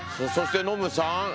そしてノムさん。